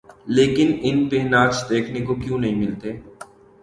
لیکن ان پہ ناچ دیکھنے کو کیوں نہیں ملتے؟